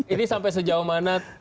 ini sampai sejauh mana